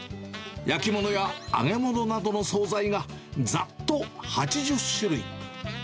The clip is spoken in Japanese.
焼き物や揚げ物などの総菜がざっと８０種類。